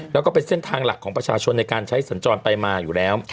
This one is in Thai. แล้วก็เป็นเส้นทางหลักของประชาชนในการใช้สัญจรไปมาอยู่แล้ว